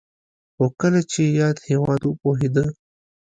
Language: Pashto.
خو کله چې یاد هېواد وپوهېده